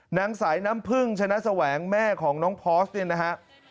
นางสายน้ำพึ่งชนะแสวงแม่ของน้องพอร์สเนี่ยนะฮะ